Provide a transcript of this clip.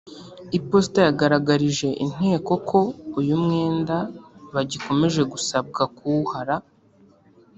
Iposita yagaragarije Inteko ko uyu mwenda bagikomeje gusabwa kuwuhara